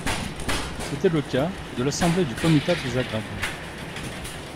C’était le cas de l’assemblée du comitat de Zagreb.